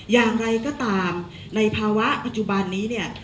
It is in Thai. อย่างไรก็ตามในภาวะปัจจุบันนี้เนี่ย